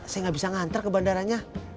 saya gak bisa nganter ke bandaranya